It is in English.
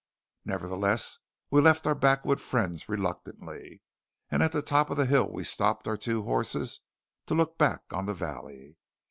Nevertheless we left our backwoods friends reluctantly; and at the top of the hill we stopped our two horses to look back on the valley.